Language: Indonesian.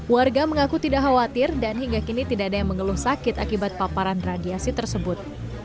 warga mengaku tidak khawatir dan hingga kini tidak ada yang mengeluh sakit akibat paparan radiasi tersebut